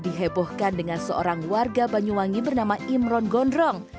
dihebohkan dengan seorang warga banyuwangi bernama imron gondrong